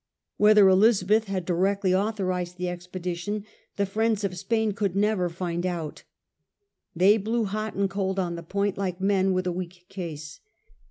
Whether Elizabeth had directly authorised the expedition, the friends of Spain could never find out. They blew hot and cold on the point, like men with a weak case.